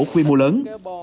quy mô lớn